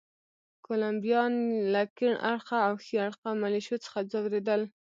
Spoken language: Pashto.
کولمبیایان له کیڼ اړخه او ښي اړخه ملېشو څخه ځورېدل.